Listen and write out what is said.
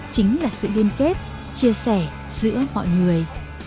chính là sự liên kết chia sẻ giữa mọi người